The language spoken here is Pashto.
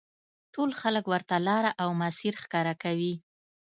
ټول خلک ورته لاره او مسیر ښکاره کوي.